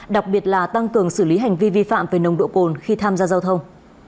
đặc biệt là tăng cường xử lý hành vi vi phạm về nồng độ cồn khi tham gia giao thông